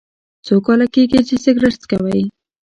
څو کاله کیږي چې سګرټ څکوئ؟